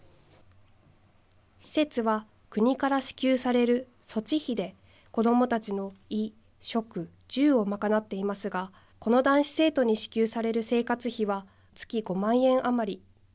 施設は、国から支給される措置費で子どもたちの衣食住を賄っていますが、この男子生徒に支給される生活費は月５万円余り。